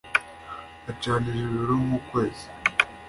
acanira ijoro nk’ukwezi